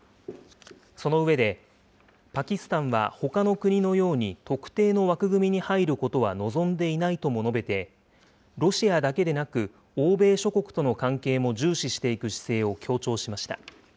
その上で、パキスタンはほかの国のように特定の枠組みに入ることは望んでいないとも述べて、ロシアだけでなく、欧米諸国との関係も重視していく姿勢を強調しました。